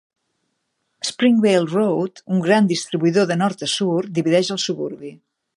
Springvale Road, un gran distribuïdor de nord a sud, divideix el suburbi.